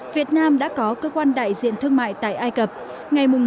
việt nam đã có cơ quan đại diện thương mại tại ai cập ngày một chín một nghìn chín trăm sáu mươi ba